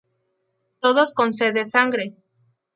Todos con sed de sangre.